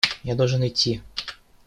Я должен идти.